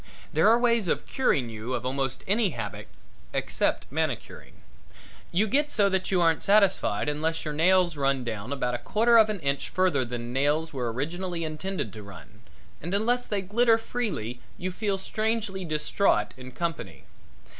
There are ways of curing you of almost any habit except manicuring. You get so that you aren't satisfied unless your nails run down about a quarter of an inch further than nails were originally intended to run, and unless they glitter freely you feel strangely distraught in company.